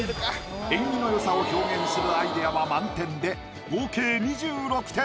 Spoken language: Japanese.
縁起の良さを表現するアイデアは満点で合計２６点。